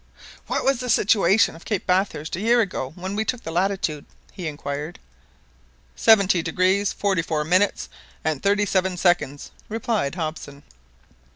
"What was the situation of Cape Bathurst a year ago when we took the latitude?" he inquired. "Seventy degrees, forty four minutes, and thirty seven seconds," replied Hobson.